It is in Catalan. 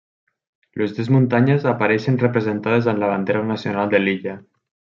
Les dues muntanyes apareixen representades en la bandera nacional de l'illa.